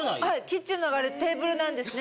キッチンのあれテーブルなんですね